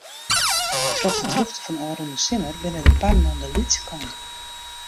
Troch de drûchte fan ôfrûne simmer binne de parren oan de lytse kant.